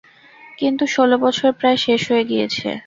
কিন্তু ষোল বছর প্রায় শেষ হয়ে গিয়েছে।